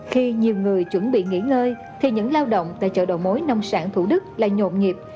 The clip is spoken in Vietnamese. khi nhiều người chuẩn bị nghỉ ngơi thì những lao động tại chợ đồ mối nông sản thủ đức là nhộn nghiệp